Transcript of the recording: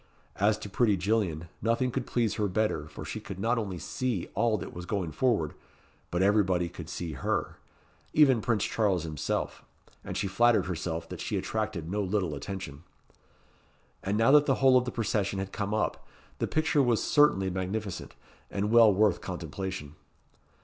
As to pretty Gillian, nothing could please her better, for she could not only see all that was going forward, but everybody could see her even Prince Charles himself; and she flattered herself that she attraeted no little attention. And now that the whole of the procession had come up, the picture was certainly magnificent, and well worth contemplation.